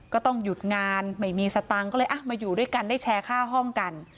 ก็ต้องหยุดงานไม่มีสตังค์ก็เลยมาอยู่ด้วยกันได้แชร์ค่าห้องกัน